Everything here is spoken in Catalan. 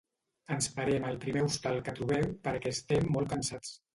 Ens parem al primer hostal que trobem perquè estem molt cansats.